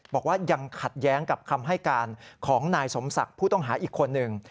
บอกว่ายังขัดแย้งกับคำให้การของนายสมศักดิ์ผู้ต้องหาอีกคนหนึ่ง